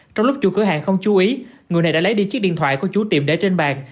trong lúc chủ cửa hàng không chú ý người này đã lấy đi chiếc điện thoại của chú tiệm để trên bàn